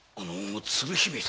鶴姫様は？